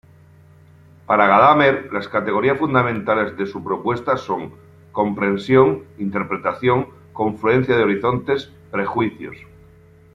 Para Gadamer las categorías fundamentales de su propuesta son: comprensión-interpretación-confluencia de horizontes-prejuicios.